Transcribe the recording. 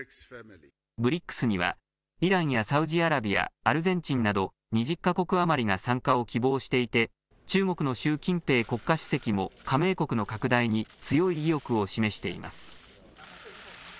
ＢＲＩＣＳにはイランやサウジアラビア、アルゼンチンなど２０か国余りが参加を希望していて中国の習近平国家主席も加盟国の拡大に強い意欲を示しています。